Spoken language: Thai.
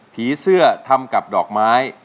ผีเสื้อทำกับดอกไม้